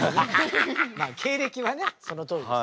まあ経歴はねそのとおりです。